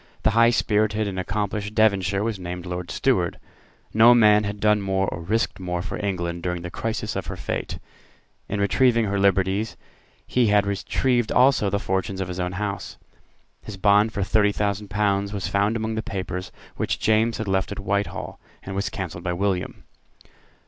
The high spirited and accomplished Devonshire was named Lord Steward. No man had done more or risked more for England during the crisis of her fate. In retrieving her liberties he had retrieved also the fortunes of his own house. His bond for thirty thousand pounds was found among the papers which James had left at Whitehall, and was cancelled by William.